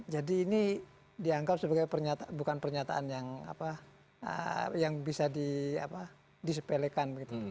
jadi ini dianggap sebagai bukan pernyataan yang bisa disepelekan